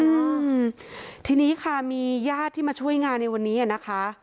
อืมทีนี้ค่ะมีญาติที่มาช่วยงานในวันนี้อ่ะนะคะ